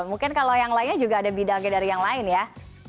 mungkin kalau yang lainnya juga ada bidangnya dari yang lain ya